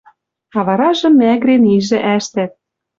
А варажы мӓгӹрен ижӹ ӓштӓт